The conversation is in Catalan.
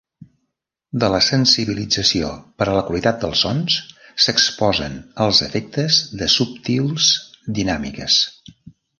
De la sensibilització per a la qualitat dels sons s'exposen els efectes de subtils dinàmiques.